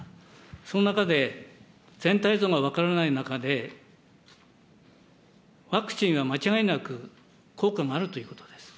その中で、全体像が分からない中で、ワクチンは間違いなく効果があるということです。